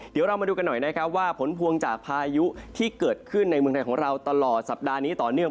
เดี๋ยวเรามาดูกันหน่อยนะครับว่าผลพวงจากพายุที่เกิดขึ้นในเมืองไทยของเราตลอดสัปดาห์นี้ต่อเนื่อง